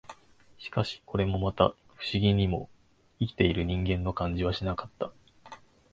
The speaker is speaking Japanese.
しかし、これもまた、不思議にも、生きている人間の感じはしなかった